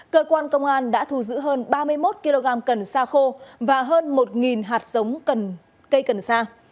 cơ quan công an đã thu giữ hơn ba mươi một kg cần sa khô và hơn một hạt giống cần cây cần sa